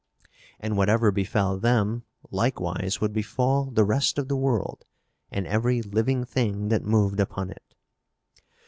And whatever befell them likewise would befall the rest of the world and every living thing that moved upon it.